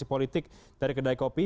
dan juga aplikasi politik dari kedai kopi